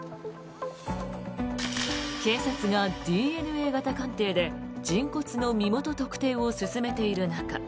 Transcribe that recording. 警察がＤＮＡ型鑑定で人骨の身元特定を進めている中